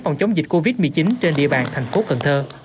phòng chống dịch covid một mươi chín trên địa bàn tp cn